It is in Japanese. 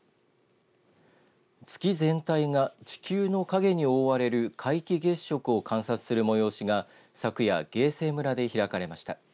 月全体が地球の影に覆われる皆既月食を観測する催しが昨夜芸西村で開かれました。